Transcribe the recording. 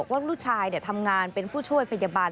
ว่าลูกชายทำงานเป็นผู้ช่วย